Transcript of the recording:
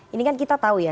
ini kan kita tahu ya